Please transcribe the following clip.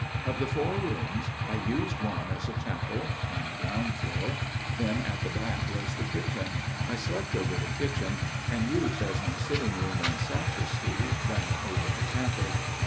Of the four rooms I used one as a chapel, on the ground floor ; that at the back was the kitchen I slept over the kitchen, and used as my sitting room and sacristy that over the chapel.